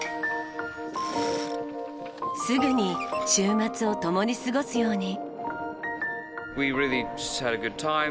すぐに週末を共に過ごすように。